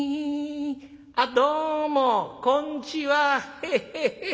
あっどうもこんちは。ヘッヘッヘッ」。